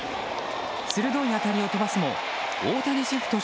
鋭い当たりを飛ばすも大谷シフト